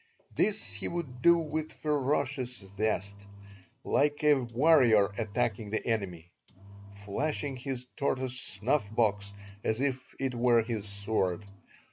This he would do with ferocious zest, like a warrior attacking the enemy, flashing his tortoise snuff box as if it were his sword.